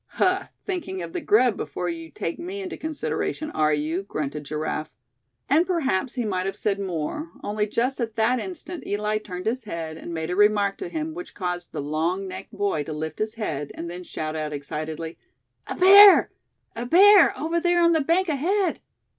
"Huh! thinking of the grub before you take me into consideration, are you?" grunted Giraffe; and perhaps he might have said more, only just at that instant Eli turned his head and made a remark to him which caused the long necked boy to lift his head, and then shout out excitedly: "A bear! A bear! over there on the bank ahead!"